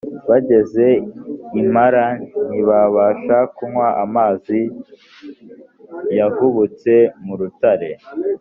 bageze i mara ntibabasha kunywa amazi yavubutse mu rutare